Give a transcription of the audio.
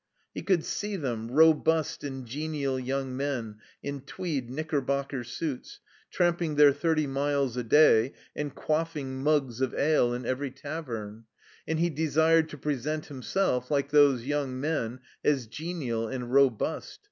He could see them, robust and genial young men in tweed knickerbocker suits, tramping their thirty miles a day and quaffing mugs of ale in every tavern; and he desired to present himself, like those young men, as genial and robust.